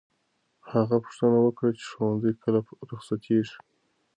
هغه پوښتنه وکړه چې ښوونځی کله رخصتېږي.